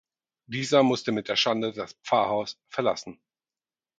Dieser musste mit der Schande das Pfarrhaus verlassen.